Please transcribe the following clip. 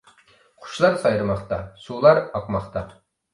قۇشلار سايرىماقتا. سۇلار ئاقماقتا.